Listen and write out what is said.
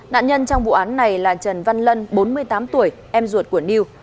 nạn nhân trong vụ án này là trần văn lân bốn mươi tám tuổi em ruột của new